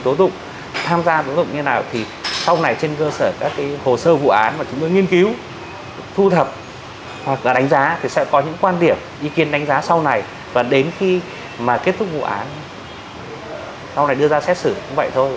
tố dụng tham gia tố dụng như thế nào thì sau này trên cơ sở các cái hồ sơ vụ án mà chúng tôi nghiên cứu thu thập hoặc là đánh giá thì sẽ có những quan điểm ý kiến đánh giá sau này và đến khi mà kết thúc vụ án sau này đưa ra xét xử cũng vậy thôi